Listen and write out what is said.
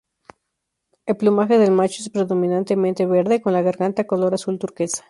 El plumaje del macho es predominantemente verde, con la garganta color azul turquesa.